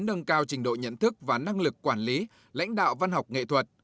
nâng cao trình độ nhận thức và năng lực quản lý lãnh đạo văn học nghệ thuật